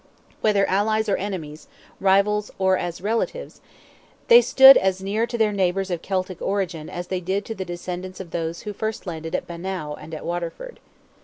Whether allies or enemies, rivals or as relatives, they stood as near to their neighbours of Celtic origin as they did to the descendants of those who first landed at Bannow and at Waterford.